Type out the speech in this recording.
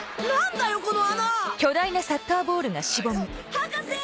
博士！